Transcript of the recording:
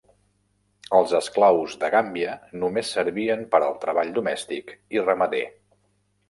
Els esclaus de Gàmbia només servien per al treball domèstic i ramader.